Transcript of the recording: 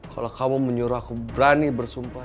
kalau kamu menyuruh aku berani bersumpah